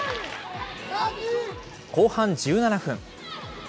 後半１７分。